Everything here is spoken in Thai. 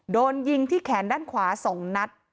โดนยิงที่แขนด้านขวา๒นัด